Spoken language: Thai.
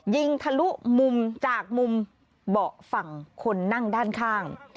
ทะลุมุมจากมุมเบาะฝั่งคนนั่งด้านข้าง